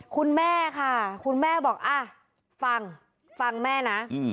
คุณแม่ค่ะคุณแม่บอกอ่ะฟังฟังแม่นะ